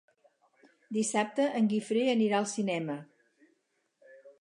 Dissabte en Guifré anirà al cinema.